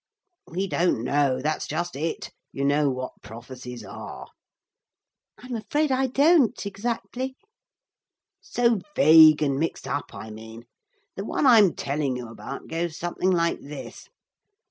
'We don't know; that's just it. You know what prophecies are.' 'I'm afraid I don't exactly.' 'So vague and mixed up, I mean. The one I'm telling you about goes something like this.